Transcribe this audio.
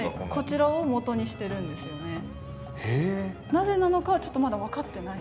なぜなのかはちょっとまだ分かってない。